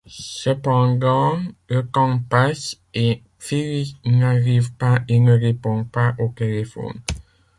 Cependant, le temps passe et Phyllis n'arrive pas et ne répond pas au téléphone.